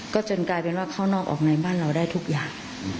ก็จนกลายเป็นว่าเข้านอกออกในบ้านเราได้ทุกอย่าง